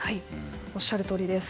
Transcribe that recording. おっしゃるとおりです。